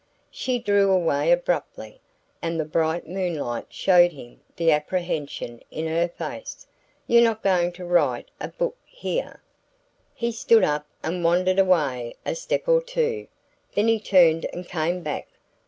She drew away abruptly, and the bright moonlight showed him the apprehension in her face. "You're not going to write a book HERE?" He stood up and wandered away a step or two; then he turned and came back.